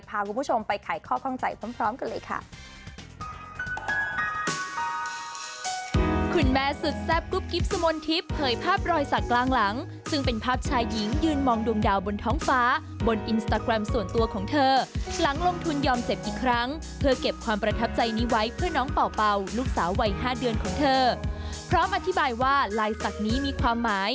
พาคุณผู้ชมไปขายข้อข้องใจพร้อมกันเลยค่ะ